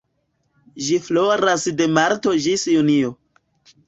Ĝi floras de marto ĝis junio.